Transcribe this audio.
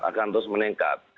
akan terus meningkat